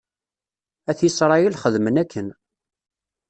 At Isṛayil xedmen akken.